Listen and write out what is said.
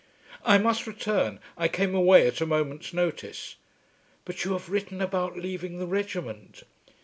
"I must return. I came away at a moment's notice." "But you have written about leaving the regiment."